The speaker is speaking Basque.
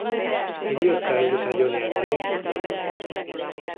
Heriotza heldu zaionean ere dotore.